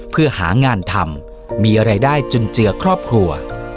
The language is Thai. เพื่อหางานทำมีรายได้จนเจือครอบครัว